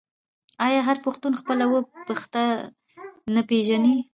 آیا هر پښتون خپل اوه پيښته نه پیژني؟